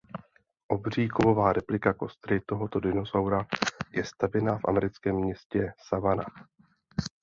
Obří kovová replika kostry tohoto dinosaura je stavěna v americkém městě Savannah.